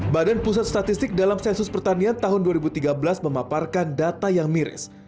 badan pusat statistik dalam sensus pertanian tahun dua ribu tiga belas memaparkan data yang miris